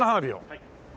はい。